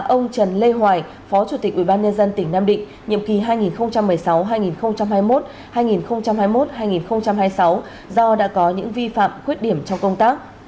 ông trần lê hoài phó chủ tịch ubnd tỉnh nam định nhiệm kỳ hai nghìn một mươi sáu hai nghìn hai mươi một hai nghìn hai mươi một hai nghìn hai mươi sáu do đã có những vi phạm khuyết điểm trong công tác